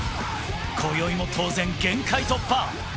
今宵も当然、限界突破。